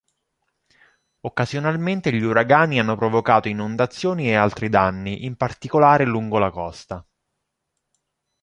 Occasionalmente gli uragani hanno provocato inondazioni e altri danni, in particolare lungo la costa.